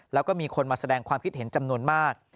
แล้วก็มีคนมาแสดงความคิดเห็นจำนวนมาก